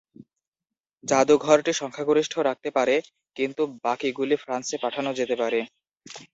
জাদুঘরটি সংখ্যাগরিষ্ঠ রাখতে পারে, কিন্তু বাকিগুলি ফ্রান্সে পাঠানো যেতে পারে।